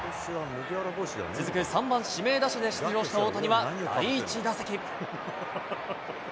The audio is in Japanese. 続く３番指名打者で出場した大谷は、第１打席。